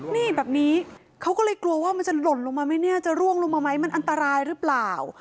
นี่แบบนี้เขาก็เลยกลัวว่ามันจะหล่นลงมาไหมเนี่ยจะร่วงลงมาไหมมันอันตรายหรือเปล่า